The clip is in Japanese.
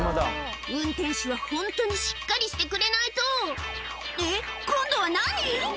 運転手はホントにしっかりしてくれないとえっ今度は何？